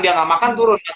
dia gak makan turun